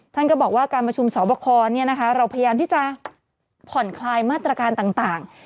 ท่านก็บอกว่าการประชุมสอบคอเราพยายามที่จะผ่อนคลายมาตรการต่าง